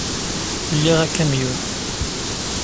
Liɣ akamyun.